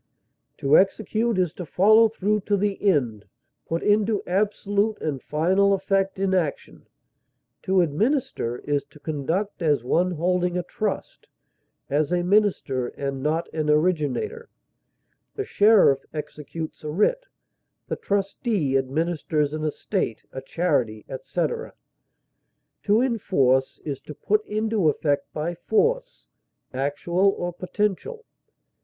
To execute is to follow through to the end, put into absolute and final effect in action; to administer is to conduct as one holding a trust, as a minister and not an originator; the sheriff executes a writ; the trustee administers an estate, a charity, etc.; to enforce is to put into effect by force, actual or potential.